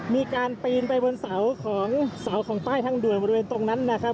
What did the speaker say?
มีการปีนไปบนเสาของเสาของใต้ทางด่วนบริเวณตรงนั้นนะครับ